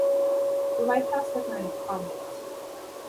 The White House declined to comment.